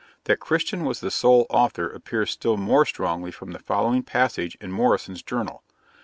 That Christian was the sole author appears still more strongly from the following passage in Morrison's Journal.